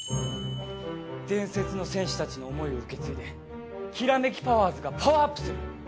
伝説の戦士たちの思いを受け継いでキラメキパワーズがパワーアップする！